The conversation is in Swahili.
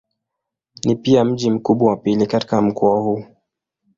Ni pia mji mkubwa wa pili katika mkoa huu.